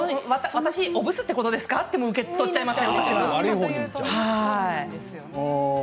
私おブスってことですかと受け取ってしまいます。